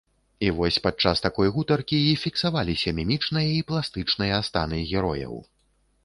І вось падчас такой гутаркі і фіксаваліся мімічныя і пластычныя станы герояў.